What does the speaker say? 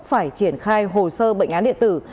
phải triển khai hồ sơ bệnh án điện tử